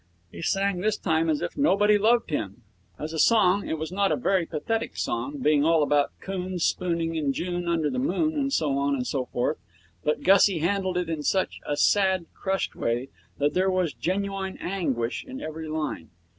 He sang this time as if nobody loved him. As a song, it was not a very pathetic song, being all about coons spooning in June under the moon, and so on and so forth, but Gussie handled it in such a sad, crushed way that there was genuine anguish in every line.